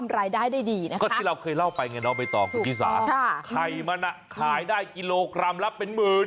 ใครเตรียมมาขายกิโลกรัมเป็นหมื่น